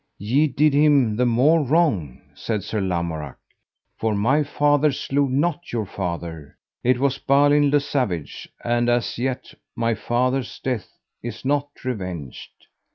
Ye did him the more wrong, said Sir Lamorak, for my father slew not your father, it was Balin le Savage: and as yet my father's death is not revenged.